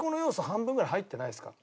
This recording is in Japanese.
半分ぐらい入ってないですか？